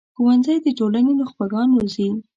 ښوونځی د ټولنې نخبه ګان روزي